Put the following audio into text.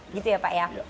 gitu ya pak ya